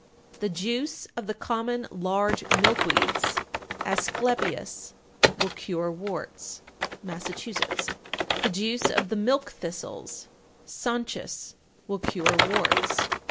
894. The juice of the common large milk weeds (Asclepias) will cure warts. Massachusetts. 895. The juice of the "milk thistles" (Sonchus) will cure warts.